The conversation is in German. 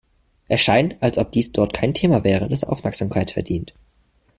Es scheint, als ob dies dort kein Thema wäre, das Aufmerksamkeit verdient.